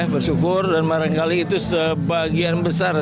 bersyukur dan barangkali itu sebagian besar